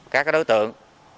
các đối tượng